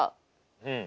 うん。